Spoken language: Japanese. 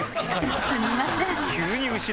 すみません。